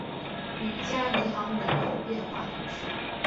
吕加尼昂人口变化图示